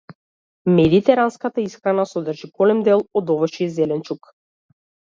Медитеранската исхрана содржи голем дел од овошје и зеленчук.